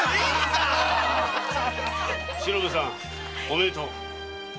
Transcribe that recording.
おめでとう。